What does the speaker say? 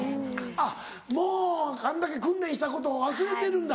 あっもうあんだけ訓練したことを忘れてるんだ。